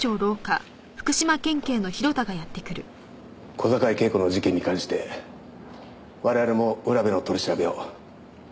小坂井恵子の事件に関して我々も浦部の取り調べを。